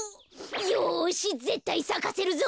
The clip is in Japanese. よしぜったいさかせるぞ。